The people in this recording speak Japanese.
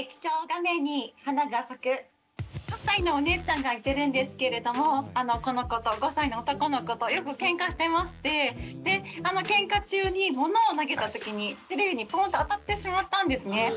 ８歳のお姉ちゃんがいてるんですけれどもこの子と５歳の男の子とよくケンカしてましてでケンカ中に物を投げた時にテレビにポンと当たってしまったんですね。